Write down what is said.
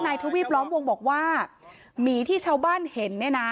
ทวีปล้อมวงบอกว่าหมีที่ชาวบ้านเห็นเนี่ยนะ